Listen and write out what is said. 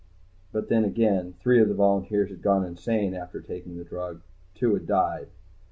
But then again, three of the volunteers had gone insane after taking the drug. Two had died.